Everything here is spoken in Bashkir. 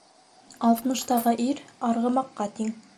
Алтмыштағы ир арғымаҡҡа тиң.